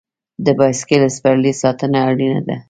د بایسکل سپرلۍ ساتنه اړینه ده.